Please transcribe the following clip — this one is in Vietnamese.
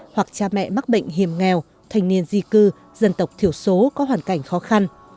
hoặc cha mẹ mắc bệnh hiểm nghèo thanh niên di cư dân tộc thiểu số có hoàn cảnh khó khăn